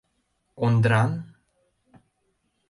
— Ондран?